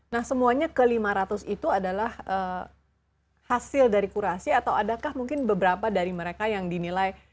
nah semuanya ke lima ratus itu adalah hasil dari kurasi atau adakah mungkin beberapa dari mereka yang dinilai